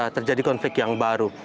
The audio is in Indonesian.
terjadi konflik yang baru